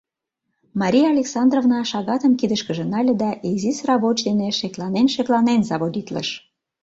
Мария Александровна шагатым кидышкыже нале да изи сравоч дене шекланен-шекланен заводитлыш.